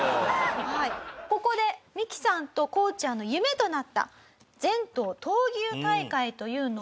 ここでミキさんとこうちゃんの夢となった全島闘牛大会というのを。